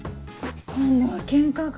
今度はケンカか。